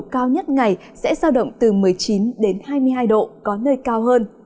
các ngày sẽ sao động từ một mươi chín hai mươi hai độ có nơi cao hơn